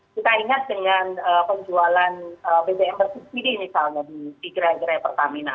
kita ingat dengan penjualan bbm bersikpidi misalnya di kira kira pertamina